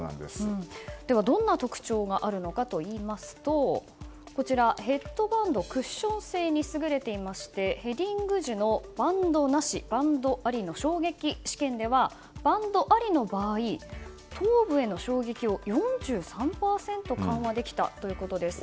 では、どんな特徴があるのかといいますとヘッドバンドはクッション性に優れていましてヘディング時のバンドなしバンドありの衝撃試験ではバンドありの場合頭部への衝撃を４３％緩和できたということです。